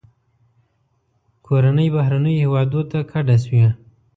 کورنۍ بهرنیو هیوادونو ته کډه شوې.